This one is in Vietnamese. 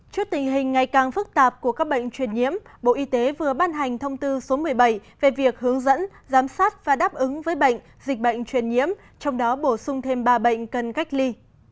trước tình hình ngày càng phức tạp của các bệnh truyền nhiễm bộ y tế vừa ban hành thông tư số một mươi bảy về việc hướng dẫn giám sát và đáp ứng với bệnh dịch bệnh truyền nhiễm trong đó bổ sung thêm ba bệnh cần cách ly